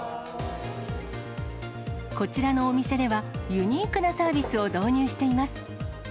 こちらのお店では、ユニークなサービスを導入しています。